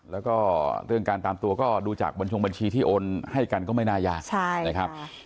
แล้วก็เรื่องการตามตัวก็ดูจากบัญชงบัญชีที่โอนให้กันก็ไม่น่ายากนะครับ